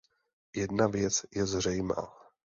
Jedna věc je zřejmá.